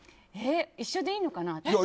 一緒でいいのかな？